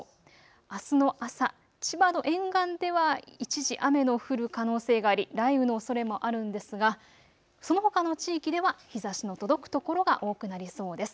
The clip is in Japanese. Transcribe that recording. あすの朝、千葉の沿岸では一時、雨の降る可能性があり雷雨のおそれもあるんですが、そのほかの地域では日ざしの届く所が多くなりそうです。